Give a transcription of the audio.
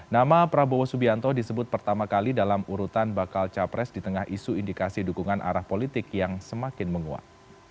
nama prabowo subianto disebut pertama kali dalam urutan bakal capres di tengah isu indikasi dukungan arah politik yang semakin menguat